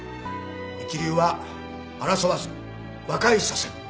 一流は争わず和解させる。